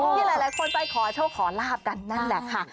ที่หลายคนไปขอโชคขอลาบกันนั่นแหละค่ะ